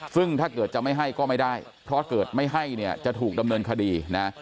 ซึ่งถ้าเกิดจะไม่ให้ก็ไม่ได้เพราะเกิดไม่ให้เนี่ยจะถูกดำเนินคดีนะ